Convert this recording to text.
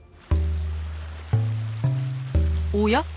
おや？